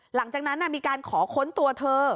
หลังจากนั้นมีการขอค้นตัวเธอ